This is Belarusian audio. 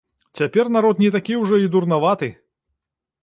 Цяпер народ не такі ўжо і дурнаваты!